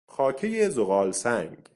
خاکهی زغالسنگ